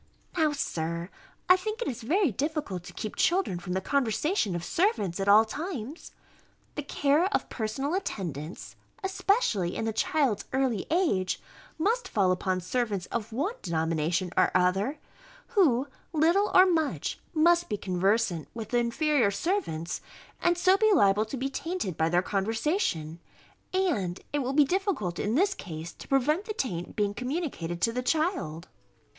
Now, Sir, I think it is very difficult to keep children from the conversation of servants at all times. The care of personal attendance, especially in the child's early age, must fall upon servants of one denomination or other, who, little or much, must be conversant with the inferior servants, and so be liable to be tainted by their conversation; and it will be difficult in this case to prevent the taint being communicated to the child.